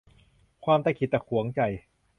ความตะขิดตะขวงใจ